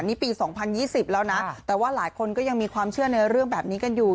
นี่ปี๒๐๒๐แล้วนะแต่ว่าหลายคนก็ยังมีความเชื่อในเรื่องแบบนี้กันอยู่